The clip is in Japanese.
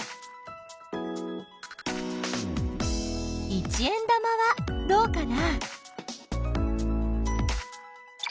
一円玉はどうかな？